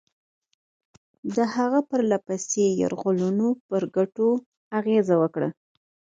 د هغه پرله پسې یرغلونو پر ګټو اغېزه کوله.